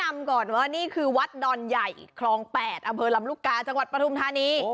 อันนี้คือวัดดอนใหญ่ครอง๘อลำรุกกาจังหวัดประทุมธานี